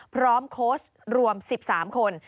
พร้อมโค้ชรวมสิบสามคน